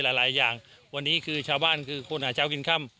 หลายอย่างวันนี้คือชาวบ้านคือคนหาเช้ากินค่ำ